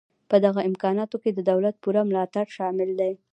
په دغه امکاناتو کې د دولت پوره ملاتړ شامل دی